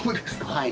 はい。